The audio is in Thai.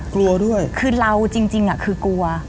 กลัวด้วยคือเราจริงคือกลัว